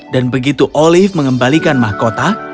dan begitu olive mengembalikan mahkota